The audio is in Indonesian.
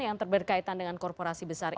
yang terberkaitan dengan korporasi besar itu